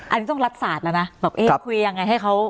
อันนี้ต้องรัฐศาสตร์แล้วนะแบบเอ๊ะคุยยังไงให้เขา